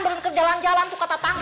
belum ke jalan jalan tuh kata tangga